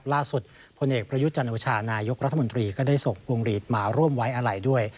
ล่าสุดพลเอกพระยุทธจันทร์อุชานายกรัฐมนตรีก็ได้สวดพวงฤทธิ์มาร่วมไว้อะไหล่ด้วย